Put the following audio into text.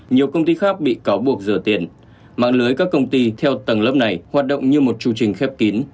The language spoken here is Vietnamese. nhiều công ty khác bị cáo buộc rửa tiền mạng lưới các công ty theo tầng lớp này hoạt động như một chương trình khép kín